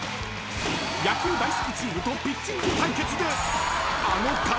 ［野球大好きチームとピッチング対決で］